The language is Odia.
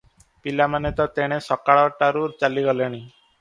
ପିଲାମାନେ ତ ତେଣେ ସକାଳ ଟାରୁ ଚାଲିଗଲେଣି ।"